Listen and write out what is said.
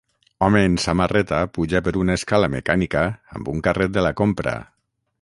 Home en samarreta puja per una escala mecànica amb un carret de la compra.